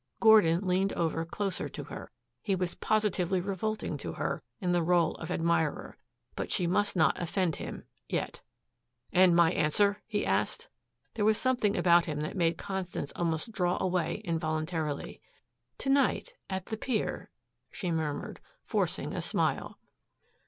Gordon leaned over closer to her. He was positively revolting to her in the role of admirer. But she must not offend him yet. "And my answer!" he asked. There was something about him that made Constance almost draw away involuntarily. "To night at the pier," she murmured forcing a smile.